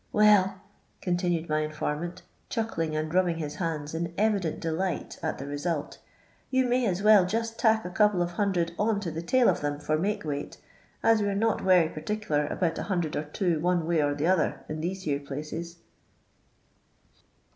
Well," continued my informant, chuckling and rubbing his hands in evident delight at the re sult, "you may as well just tack a couple a hundred on to the tail o' them for make weight, as we 're not worry pertiklcr about a hundred or two one way or the other in these here placet."